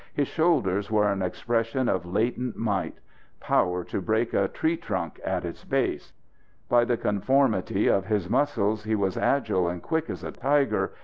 His shoulders were an expression of latent might power to break a tree trunk at its base; by the conformity of his muscles he was agile and quick as a tiger.